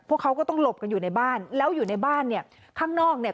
พวกเขาก็ต้องหลบกันอยู่ในบ้านแล้วอยู่ในบ้านเนี่ยข้างนอกเนี่ย